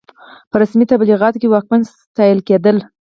په رسمي تبلیغاتو کې واکمنان ستایل کېدل.